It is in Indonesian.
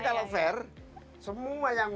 kalau fair semua yang